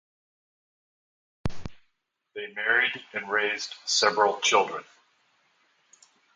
They married and raised several children.